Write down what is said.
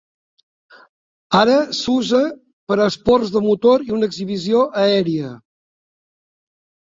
Ara s'usa per a esports de motor i una exhibició aèria.